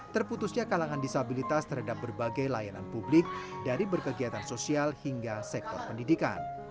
terputusnya kalangan disabilitas terhadap berbagai layanan publik dari berkegiatan sosial hingga sektor pendidikan